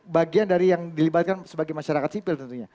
bagian dari yang dilibatkan sebagai masyarakat sipil tentunya